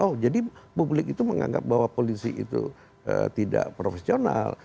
oh jadi publik itu menganggap bahwa polisi itu tidak profesional